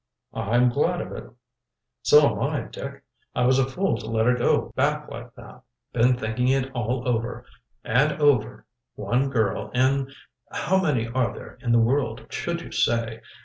"I'm glad of it." "So am I, Dick. I was a fool to let her go back like that. Been thinking it all over and over one girl in how many are there in the world, should you say?